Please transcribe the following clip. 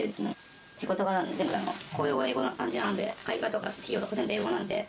仕事柄、全部、公用語が英語な感じなので、会話とか資料もほとんど英語なので。